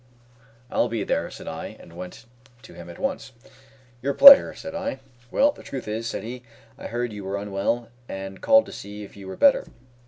"I'll be there," said I, and went to him at once. "Your pleasure?" said I. "Well, the truth is," said he, "I heard you were unwell, and called to see if you were better.